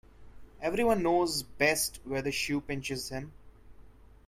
Every one knows best where the shoe pinches him.